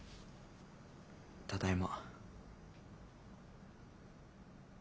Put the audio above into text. ただいま。